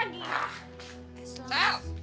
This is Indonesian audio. ayo lebih dekat lagi